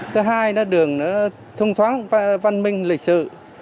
thứ hai nó đường nó thông thoáng văn minh lịch sự